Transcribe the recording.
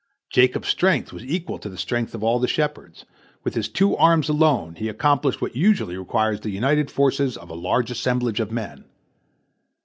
Jacob's strength was equal to the strength of all the shepherds; with his two arms alone he accomplished what usually requires the united forces of a large assemblage of men.